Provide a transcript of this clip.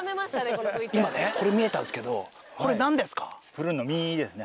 今ねこれ見えたんすけどこれ何ですか？